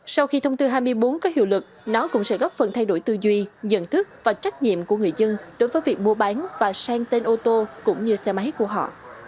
sau khi thông tư hai mươi bốn có hiệu lực nó cũng sẽ góp phần thay đổi tư duy nhận thức và trách nhiệm của người dân đối với việc mua bán và sang tên ô tô cũng như xe máy của họ